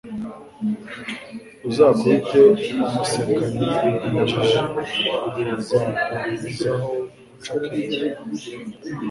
Uzakubite umusekanyi injiji izakurizaho guca akenge